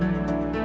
ya nggak hai